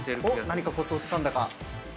何かコツをつかんだか。